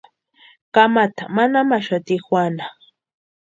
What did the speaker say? Kamata manamaxati Juana.